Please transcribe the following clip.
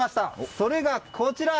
それが、こちら。